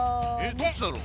どっちだろう？